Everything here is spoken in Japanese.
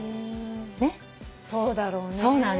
そうだろうね。